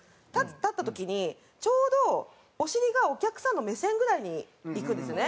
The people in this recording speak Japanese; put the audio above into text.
立った時にちょうどお尻がお客さんの目線ぐらいにいくんですよね。